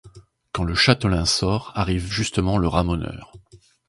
Quand le châtelain sort, arrive justement le ramoneur.